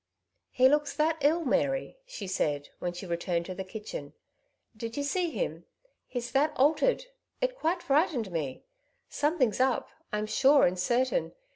" He looks that ill, Mary/' she said, when she returned to the kitchen. " Did you see him ? He's that altered, it quite frightened nie. Something's up, I'm sure and certain.